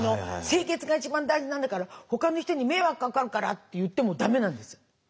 清潔が一番大事なんだからほかの人に迷惑がかかるから」って言ってもだめなんです。